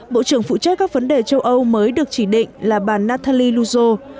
bộ trưởng phụ trách các vấn đề châu âu mới được chỉ định là bà nathalie luzot